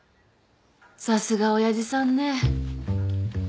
さすが親父さんね